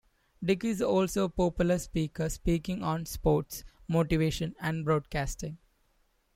Dick is also a popular speaker speaking on sports, motivation and broadcasting.